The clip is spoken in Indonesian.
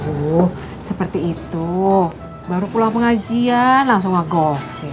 oh seperti itu baru pulang pengajian langsung gak gosip